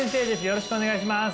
よろしくお願いします